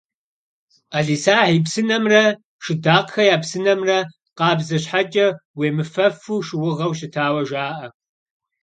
«ӏэлисахь и псынэмрэ» «Шыдакъхэ я псынэмрэ» къабзэ щхьэкӏэ, уемыфэфу шыугъэу щытауэ жаӏэ.